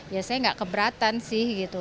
ya saya nggak keberatan sih gitu